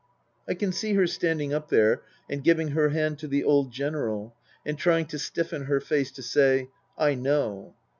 I can see her standing up there and giving her hand to the old General and trying to stiffen her face to say, " I know."